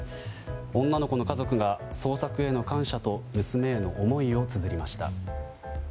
女の子の家族が、捜索への感謝と娘への思いをつづりました。